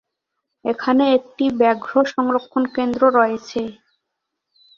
এখানে একটি ব্যাঘ্র সংরক্ষণ কেন্দ্র রয়েছে।